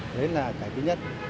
đấy là cái thứ nhất